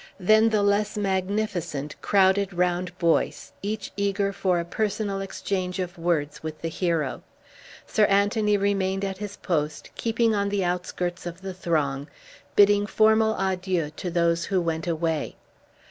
Then the less magnificent crowded round Boyce, each eager for a personal exchange of words with the hero. Sir Anthony remained at his post, keeping on the outskirts of the throng, bidding formal adieux to those who went away.